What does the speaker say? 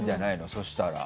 そしたら。